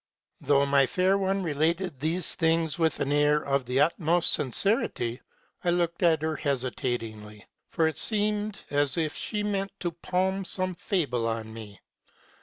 MEISTER'S TRAVELS. 243 "Though my fair one related these things with an air of the utmost sincerity, I looked at her hesitatingly ; for it seemed as if she meant to palm some fable on me.